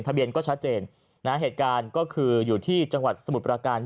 ทะเบียนก็ชัดเจนนะฮะเหตุการณ์ก็คืออยู่ที่จังหวัดสมุทรประการ